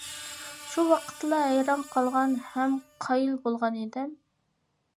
شۇ ۋاقىتتىلا ھەيران قالغان ھەم قايىل بولغان ئىدىم.